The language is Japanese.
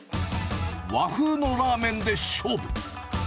和風のラーメンで勝負。